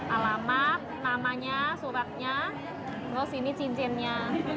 alamat namanya suratnya terus ini cincinnya